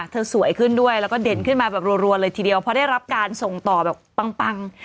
สวยขึ้นด้วยแล้วก็เด่นขึ้นมาแบบรัวเลยทีเดียวเพราะได้รับการส่งต่อแบบปัง